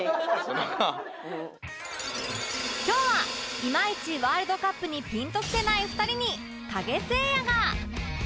今日はいまいちワールドカップにピンときてない２人にカゲセイヤが